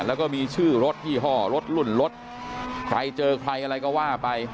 แล้วก็มีชื่อรถยี่ห้อรถรุ่นรถใครเจอใครอะไรก็ว่าไป